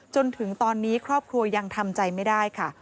จนถึงตอนนี้ครอบครัวยังทำใจไม่ได้ค่ะ